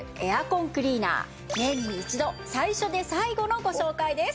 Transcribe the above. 年に１度最初で最後のご紹介です！